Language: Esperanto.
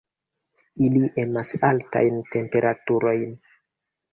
Ili emas altajn temperaturojn.